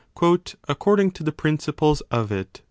I mean according to the principles of it